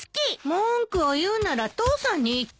文句を言うなら父さんに言って。